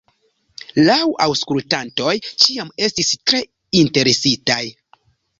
La aŭskultantoj ĉiam estis tre interesitaj.